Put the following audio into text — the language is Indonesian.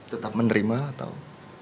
tetap menerima atau